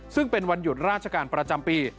ซึ่งเป็นวันหยุดราชการประจำปี